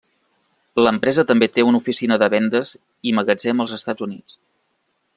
L'empresa també té una oficina de vendes i magatzem als Estats Units.